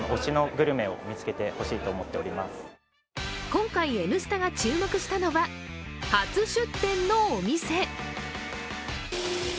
今回、「Ｎスタ」が注目したのは初出店のお店。